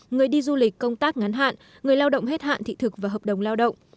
người đi du lịch công tác ngắn hạn người lao động hết hạn thị thực và hợp đồng lao động